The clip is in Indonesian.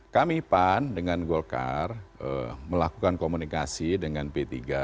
kami pan dengan golkar melakukan komunikasi dengan p tiga